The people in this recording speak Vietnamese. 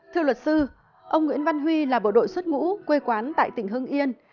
thưa luật sư ông nguyễn văn huy là bộ đội xuất ngũ quê quán tại tỉnh hưng yên